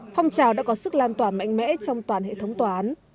phong trào đã có sức lan tỏa mạnh mẽ trong toàn hệ thống tòa án